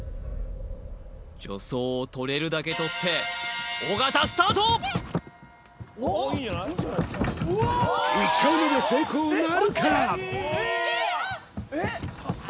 助走を取れるだけ取って尾形スタート１回目で成功なるか！？